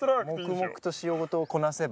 黙々と仕事をこなせば。